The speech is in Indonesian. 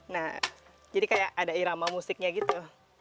nah jadi kayak ada air lama musiknya gitu